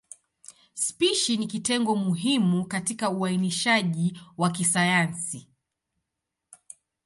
Spishi ni kitengo muhimu katika uainishaji wa kisayansi.